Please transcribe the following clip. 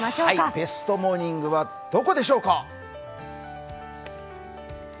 ベストモーニングはどこでしょうか。